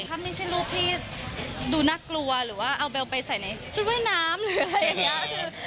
ถ้าไม่ใช่รูปที่ดูน่ากลัวหรือว่าเอาเบลไปใส่ในชุดว่ายน้ำหรืออะไรอย่างนี้